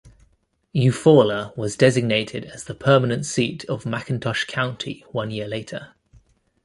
Eufaula was designated as the permanent seat of McIntosh County one year later.